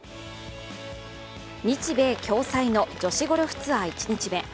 日米共催の女子ゴルフツアー１日目。